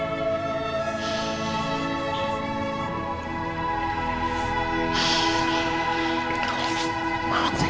u strategi tempat tuaku di serio